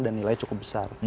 dan nilai cukup besar